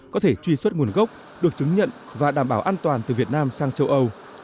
có thể truy xuất nguồn gốc được chứng nhận và đảm bảo an toàn từ việt nam sang châu âu